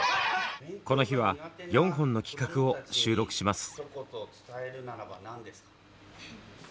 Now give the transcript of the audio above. この日は４本の企画を収録します。